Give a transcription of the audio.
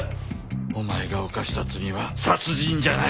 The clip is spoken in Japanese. お前が犯した罪は殺人じゃない。